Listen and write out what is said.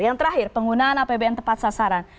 yang terakhir penggunaan apbn tepat sasaran